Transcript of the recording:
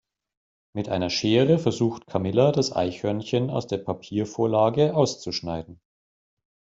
Mit einer Schere versucht Camilla das Eichhörnchen aus der Papiervorlage auszuschneiden.